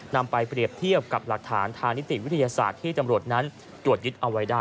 นำไปเปรียบเทียบกับหลักฐานทางนิติวิทยาศาสตร์ที่จำรวจนั้นตรวจยึดเอาไว้ได้